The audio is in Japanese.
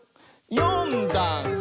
「よんだんす」